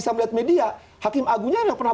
saya melihat media hakim agungnya nggak pernah